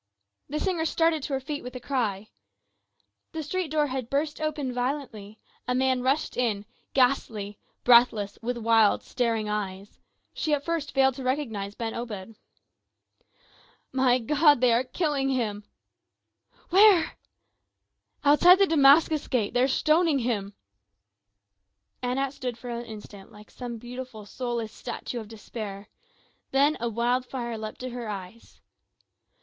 The singer started to her feet with a cry. The street door had burst open violently, a man rushed in, ghastly, breathless, with wild staring eyes; she at first failed to recognize Ben Obed. "My God! they are killing him!" "Where?" "Outside the Damascus Gate they are stoning him!" Anat stood for an instant like some beautiful soulless statue of despair. Then a wild fire leapt to her eyes.